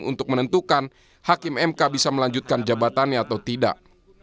untuk menentukan hakim mk bisa melanjutkan jabatannya atau tidak